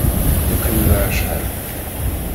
Yeqqim da acḥal.